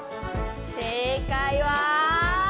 正解は？